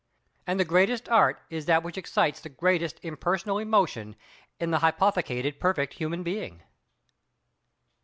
And the greatest Art is that which excites the greatest impersonal emotion in an hypothecated perfect human being.